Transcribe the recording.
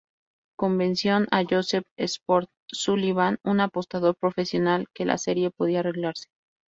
Convenció a Joseph "Sport" Sullivan, un apostador profesional, que la serie podía arreglarse.